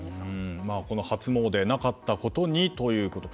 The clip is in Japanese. この初詣なかったことにということで。